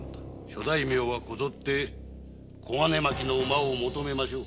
諸大名はこぞって小金牧の馬を購めましょう。